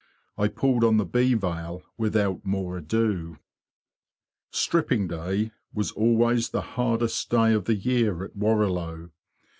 I pulled on the bee veil without more ado. '* Stripping day '' was always the hardest day of the year at Warrilow.